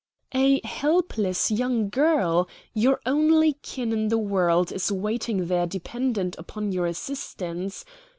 "A helpless young girl, your only kin in the world, is waiting there dependent upon your assistance.